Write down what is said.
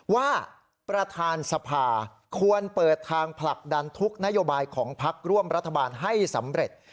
ว่าประธานสภาควรเปิดทางผลักดันทุกนโยบายของพักร่วมรัฐบาลให้สำเร็จ